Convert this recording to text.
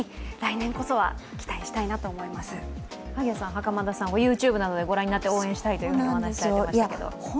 袴田さん、ＹｏｕＴｕｂｅなどでご覧になって応援したいとおっしゃっていましたが？